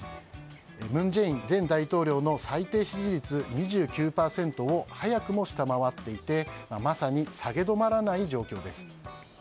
文在寅前大統領の最低支持率２９％を早くも下回っていてまさに、下げ止まらない状況です。